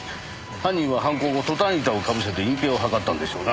犯人は犯行後トタン板を被せて隠蔽を図ったんでしょうな。